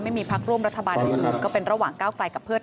ไม่มีพักร่วมรัฐบาลอื่นก็เป็นระหว่างก้าวไกลกับเพื่อ